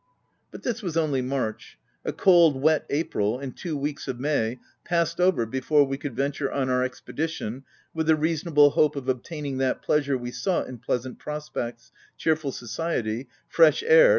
But this was only March : a cold, wet April, and two weeks of May passed over before we could venture forth on our expedition with the reasonable hope of obtaining that pleasure we sought in pleasant prospects, cheerful society, fresh air.